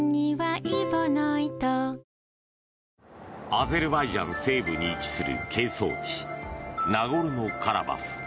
アゼルバイジャン西部に位置する係争地ナゴルノカラバフ。